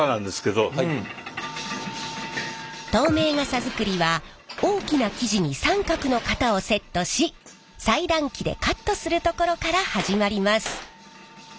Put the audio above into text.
透明傘作りは大きな生地に三角の型をセットし裁断機でカットするところから始まります。